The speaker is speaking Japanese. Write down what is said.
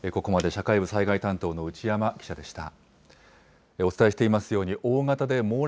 社会部災害担当の内山記者でした。